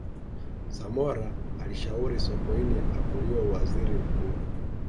samora alishauri sokoine avuliwe uwaziri mkuu